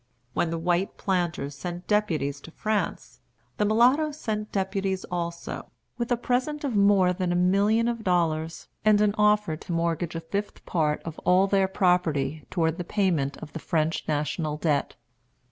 When the white planters sent deputies to France, the mulattoes sent deputies also, with a present of more than a million of dollars, and an offer to mortgage a fifth part of all their property toward the payment of the French national debt.